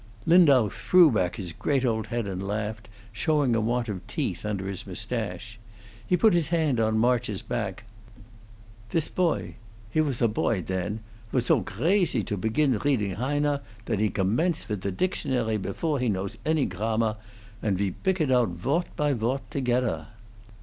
Lindau threw back his great old head and laughed, showing a want of teeth under his mustache. He put his hand on March's back. "This poy he was a poy den wars so gracy to pekin reading Heine that he gommence with the tictionary bevore he knows any Grammar, and ve bick it out vort by vort togeder."